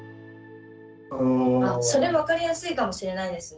あそれ分かりやすいかもしれないですね。